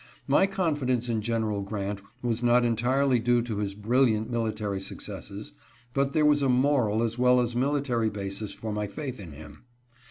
My confidence in Gen. Grant was not entirely due to his brilliant military successes, but there was a moral as well as military basis for my faith in him.